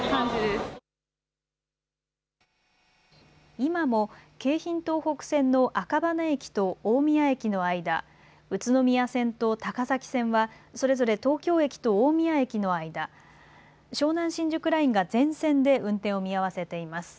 今も京浜東北線の赤羽駅と大宮駅の間、宇都宮線と高崎線はそれぞれ東京駅と大宮駅の間、湘南新宿ラインが全線で運転を見合わせています。